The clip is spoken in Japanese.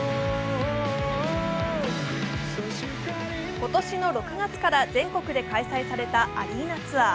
今年の６月から全国で開催されたアリーナツアー。